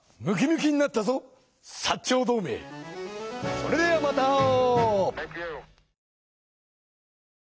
それではまた会おう！